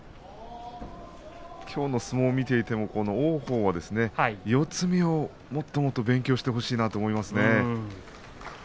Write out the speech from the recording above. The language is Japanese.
きょうの相撲を見ていても王鵬は四つ身をもっともっと勉強してほしいなと思いますね。